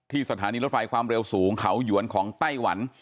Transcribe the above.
สถานีรถไฟความเร็วสูงเขาหยวนของไต้หวัน